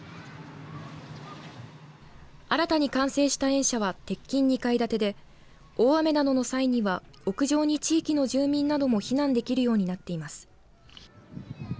新たに完成した園舎は鉄筋２階建てで大雨などの際には屋上に地域の住民なども避難できるようになっています。